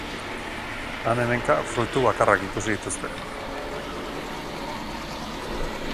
Han-hemenka fruitu bakar batzuk ikusi dituzte.